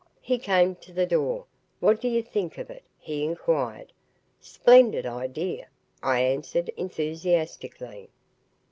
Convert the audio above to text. He came to the door. "What do you think of it?" he inquired. "Splendid idea," I answered enthusiastically.